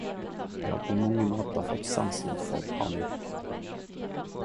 Eg har på mange måtar fått sansen for Pamuk.